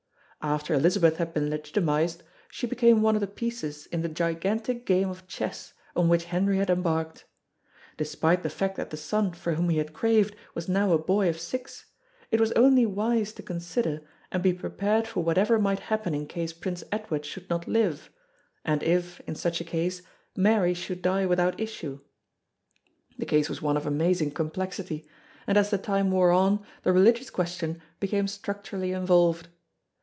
After Elizabeth had been legitimised, she became one of the pieces in the gigantic game of chess on which Henry had embarked. Despite the fact that the son for whom he had craved was now a boy of six, it was only wise to consider and be prepared for whatever might happen in case Prince Edward should not live, and if, in such a case, Mary should die without issue. The case was one of amazing complexity, and as the time wore on the religious question became structurally involved.